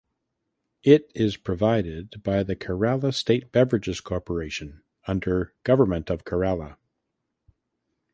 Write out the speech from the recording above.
It is provided by the Kerala State Beverages Corporation under Government of Kerala.